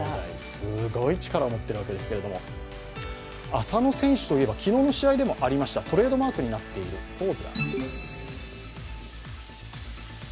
すごい力を持っているわけですけれども、浅野選手といえば昨日の試合でもありました、トレードマークになっているポーズがあります。